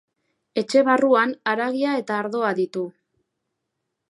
Etxe barruan haragia eta ardoa ditu.